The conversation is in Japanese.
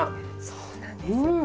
そうなんです。